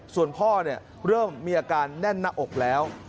ส่วนพ่อเริ่มมีอาการแน่นหน้าอกแล้ว